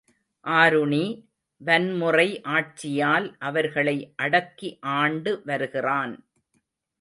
ஆருணி, வன்முறை ஆட்சியால் அவர்களை அடக்கி ஆண்டு வருகிறான்.